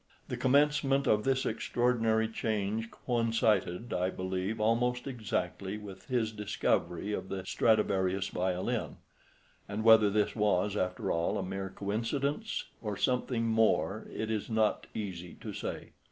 The commencement of this extraordinary change coincided, I believe, almost exactly with his discovery of the Stradivarius violin; and whether this was, after all, a mere coincidence or something more it is not easy to say.